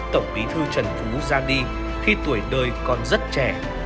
tổng bí thư trần phú ra đi khi tuổi đời còn rất trẻ